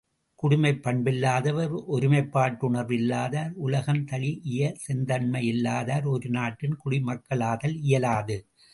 குடிமைப் பண்பிலாதார், ஒருமைப்பாட்டுணர்வு இலாதார், உலகந்தழீஇய செந்தண்மை இலாதார் ஒரு நாட்டின் குடிமக்களாதல் இயலாது.